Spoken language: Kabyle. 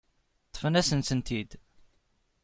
Ṭṭfent-asent-tent-id.